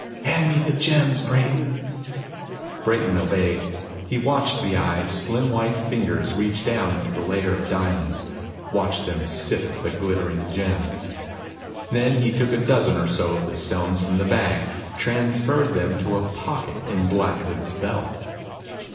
"Hand me the gems, Brayton." Brayton obeyed. He watched the Eye's slim white fingers reach down into the layer of diamonds, watched them sift the glittering gems. Then he took a dozen or so of the stones from the bag, transferred them to a pocket in Black Hood's belt.